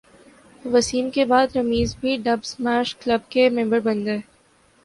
وسیم کے بعد رمیز بھی ڈب اسمیش کلب کے ممبر بن گئے